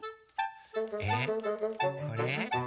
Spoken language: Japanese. えっこれ？